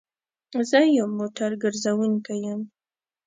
زه يو موټر ګرځونکی يم